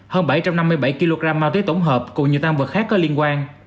hơn bảy trăm năm mươi bảy kg ma túy tổng hợp cùng nhiều tăng vật khác có liên quan